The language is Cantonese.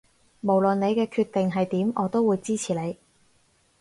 無論你嘅決定係點我都會支持你